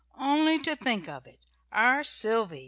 Only to think of it! Our Sylvy!